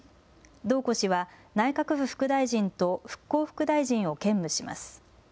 堂故氏は内閣府副大臣と復興副大臣を兼務します。